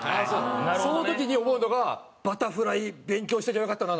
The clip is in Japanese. その時に思うのが「バタフライ勉強しておけばよかったな」